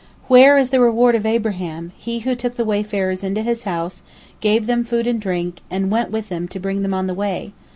Where is the reward of Abraham, he who took the wayfarers into his house, gave them food and drink, and went with them to bring them on the way?